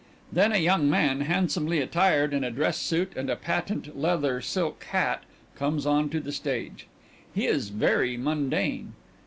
Then a young man handsomely attired in a dress suit and a patent leather silk hat comes onto the stage. He is very mundane.